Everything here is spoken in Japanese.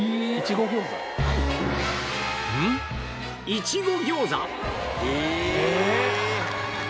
いちご餃子？